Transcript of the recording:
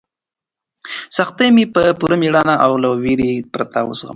سختۍ مې په پوره مېړانه او له وېرې پرته وزغملې.